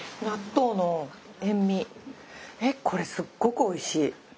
えこれすっごくおいしい。